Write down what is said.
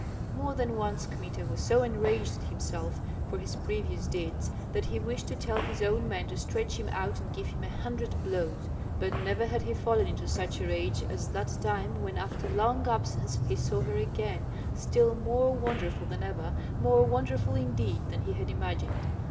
More than once Kmita was so enraged at himself for his previous deeds that he wished to tell his own men to stretch him out and give him a hundred blows, but never had he fallen into such a rage as that time when after long absence he saw her again, still more wonderful than ever, more wonderful indeed than he had imagined.